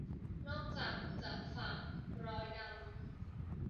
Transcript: นอกจากจะฝากรอยดำ